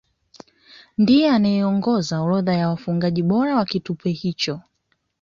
Ndiye anayeongoza orodha ya wafungaji bora wa kipute hicho